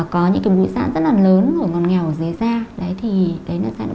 có những mũi giãn rất là lớn ngòn nghèo ở dưới da